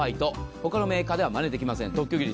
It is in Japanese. ほかのメーカーではまねできません、特許技術。